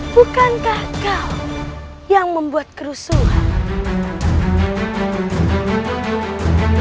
bukankah kau yang membuat kerusuhan